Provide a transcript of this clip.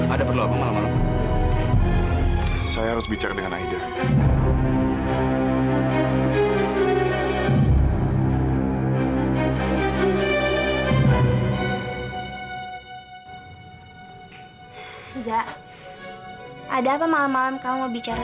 ada perlu apa malam malam